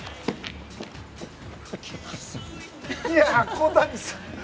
小谷さん